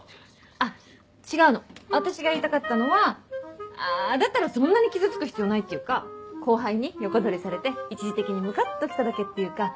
あっ違うの私が言いたかったのはあだったらそんなに傷つく必要ないっていうか後輩に横取りされて一時的にムカっときただけっていうか。